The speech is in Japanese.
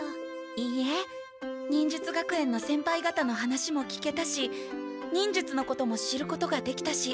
いいえ忍術学園の先輩方の話も聞けたし忍術のことも知ることができたし。